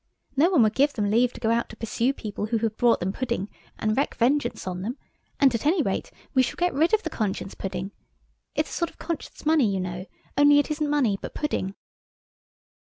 No one would give them leave to go out to pursue people who had brought them pudding, and wreck vengeance on then, and at any rate we shall get rid of the conscience pudding–it's a sort of conscience money, you know–only it isn't money but pudding."